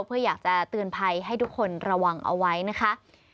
เพื่ออยากจะเตือนภัยให้ทุกคนระวังเอาไว้นะคะ